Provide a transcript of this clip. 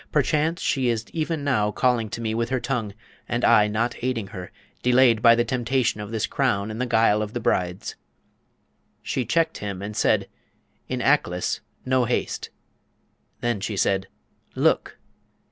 perchance she is even now calling to me with her tongue, and I not aiding her; delayed by the temptation of this crown and the guile of the Brides.' She checked him, and said, 'In Aklis no haste!' Then she said, 'Look!'